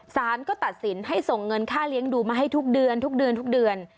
สารก็ตัดสินให้ส่งเงินค่าเลี้ยงดูมาให้ทุกเดือนทุกเดือนทุกเดือน